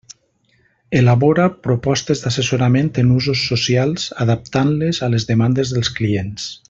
Elabora propostes d'assessorament en usos socials adaptant-les a les demandes dels clients.